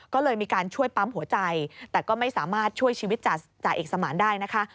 ก็เลยมีการช่วยปั๊มหัวใจแต่ก็ไม่สามารถช่วยชีวิตจ่าเอกสมานได้นะคะ